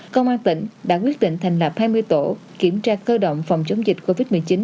công an tỉnh đã quyết định thành lập hai mươi tổ kiểm tra cơ động phòng chống dịch covid một mươi chín